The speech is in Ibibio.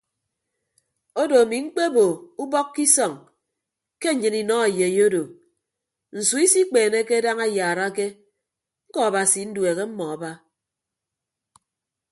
Odo ami mkpebo ubọk ke isọñ ke nnyịn inọ eyei odo nsu isikpeeneke daña ayaarake ñkọ abasi nduehe mmọọ aba.